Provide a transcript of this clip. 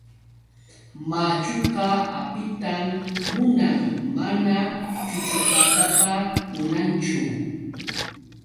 Machuqa apitan munan mana chuchuqataqa munanchu.